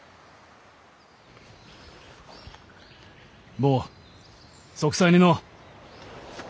坊息災にのう。